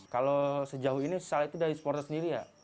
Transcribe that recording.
kalau sejauh ini sal itu dari supporter sendiri ya